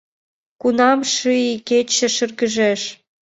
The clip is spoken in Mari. Кунам ший кече шыргыжеш